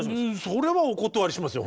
それはお断りしますよ